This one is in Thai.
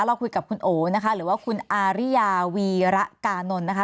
เราคุยกับคุณโอนะคะหรือว่าคุณอาริยาวีระกานนท์นะคะ